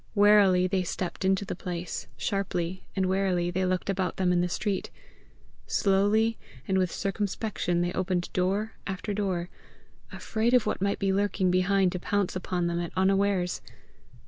Warily they stepped into the place, sharply and warily they looked about them in the street, slowly and with circumspection they opened door after door, afraid of what might be lurking behind to pounce upon them at unawares.